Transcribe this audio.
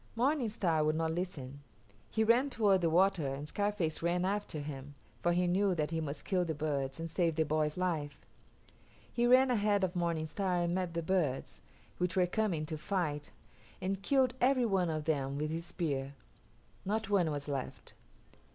Morning Star would not listen. He ran toward the water and Scarface ran after him, for he knew that he must kill the birds and save the boy's life. He ran ahead of Morning Star and met the birds, which were coming to fight, and killed every one of them with his spear; not one was left.